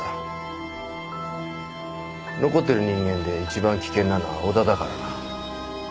残ってる人間で一番危険なのは小田だからな。